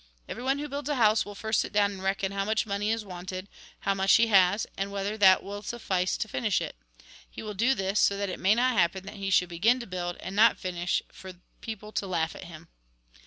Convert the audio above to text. Everyone who builds a house will first sit down and reckon how much money is wanted, how much he has, and whether that will THE FALSE LIFE 8i Lk. xiv. 29. 30. 32. 33. suffice to finish it. He will do this, so that it may not happen that he should begin to build, and not finish, for people to laugh at him.